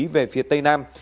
về phía tây nam